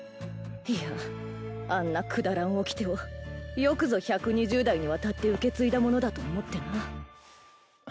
いやあんなくだらんおきてをよくぞ百二十代にわたって受け継いだものだと思ってな。